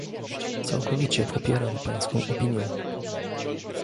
Całkowicie popieram pańską opinię